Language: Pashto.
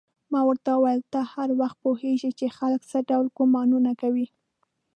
ما ورته وویل: ته هر وخت پوهېږې چې خلک څه ډول ګومانونه کوي؟